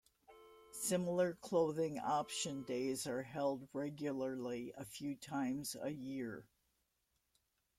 Similar clothing optional days are held regularly a few times a year.